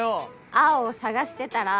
青を捜してたら。